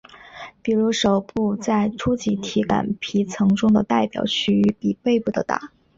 比如手部在初级体感皮层中的代表区域比背部的大。